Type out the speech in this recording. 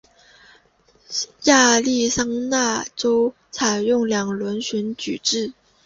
亚利桑那州采用两轮选举制。